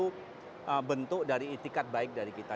suatu bentuk dari etikat baik dari kita